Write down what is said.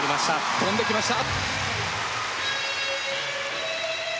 跳んできました。